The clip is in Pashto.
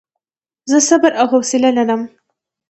زه صبر او حوصله لرم.